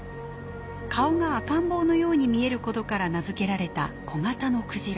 顔が赤ん坊のように見えることから名付けられた小型のクジラ。